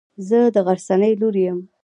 زه د غرڅنۍ لور يم.